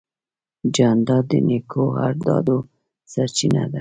جانداد د نیکو ارادو سرچینه ده.